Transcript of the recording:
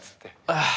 ああ！